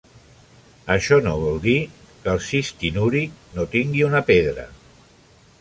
Això no vol dir que el cistinúric no tingui una pedra.